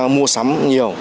mua sắm nhiều